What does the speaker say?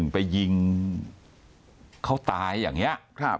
ไปยิงเขาตายอย่างนี้